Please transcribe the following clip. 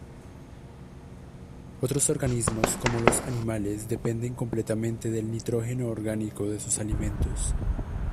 Otros organismos, como los animales, dependen completamente del nitrógeno orgánico de sus alimentos.